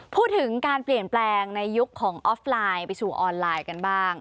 พูดถึงการเปลี่ยนแปลงในยุคของออฟไลน์ไปสู่ออนไลน์กันบ้าง